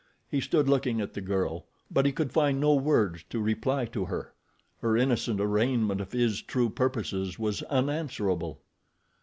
He stood looking at the girl; but he could find no words to reply to her. Her innocent arraignment of his true purposes was unanswerable.